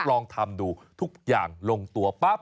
ลองทำดูทุกอย่างลงตัวปั๊บ